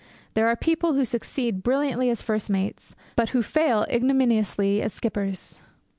There are people who succeed brilliantly as first mates, but who fail ignominiously as skippers.